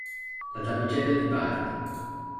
La damigella di Bard